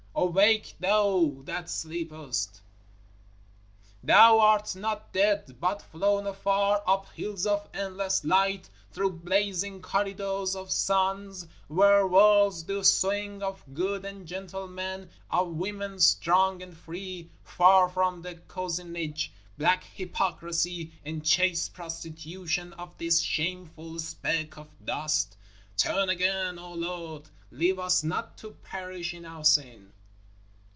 Awake, Thou that sleepest! Thou art not dead, but flown afar, up hills of endless light, thru blazing corridors of suns, where worlds do swing of good and gentle men, of women strong and free far from the cozenage, black hypocrisy and chaste prostitution of this shameful speck of dust! _Turn again, O Lord, leave us not to perish in our sin!